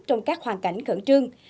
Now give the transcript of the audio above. trong các hoàn cảnh khẩn trương